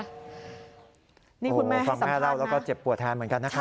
นี่คุณแม่เป็นสัมภัณฑ์นะบังคลุมวันพระราชินแล้วก็เจ็บปวดแขนเหมือนกันนะครับ